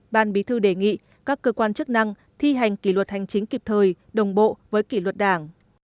ban bí thư đề nghị các cơ quan chức năng thi hành kỷ luật hành chính kịp thời đồng bộ với kỷ luật đảng